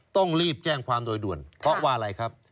ต้องรีบแจ้งความโดยด่วนเพราะว่าอะไรครับ